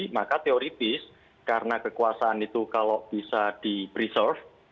maka teoritis karena kekuasaan itu kalau bisa di preserve